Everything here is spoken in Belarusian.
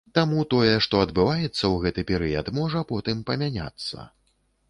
Таму тое, што адбываецца ў гэты перыяд, можа потым памяняцца.